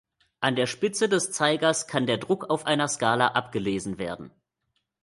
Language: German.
An der Spitze des Zeigers kann der Druck auf einer Skala abgelesen werden.